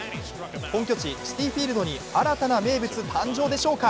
本拠地・シティ・フィールドに新たな名物誕生でしょうか。